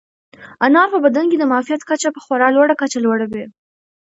انار په بدن کې د معافیت کچه په خورا لوړه کچه لوړوي.